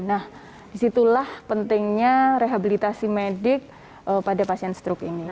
nah disitulah pentingnya rehabilitasi medik pada pasien stroke ini